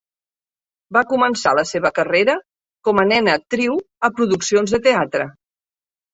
Va començar la seva carrera com a nena actriu a produccions de teatre.